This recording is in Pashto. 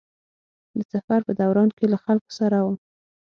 د سفر په دوران کې له خلکو سره وم.